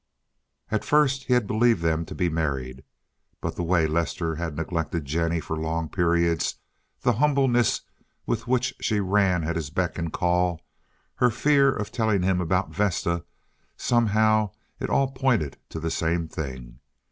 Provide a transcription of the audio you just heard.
At first he had believed them to be married, but the way Lester had neglected Jennie for long periods, the humbleness with which she ran at his beck and call, her fear of telling him about Vesta—somehow it all pointed to the same thing.